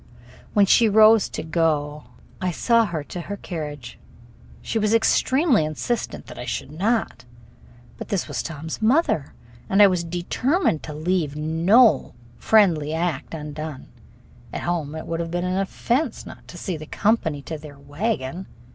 When she rose to go, I saw her to her carriage. She was extremely insistent that I should not. But this was Tom's mother, and I was determined to leave no friendly act undone. At home it would have been an offense not to see the company to their wagon.